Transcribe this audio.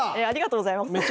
ありがとうございます。